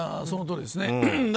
そのとおりですね。